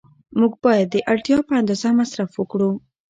موږ باید د اړتیا په اندازه مصرف وکړو.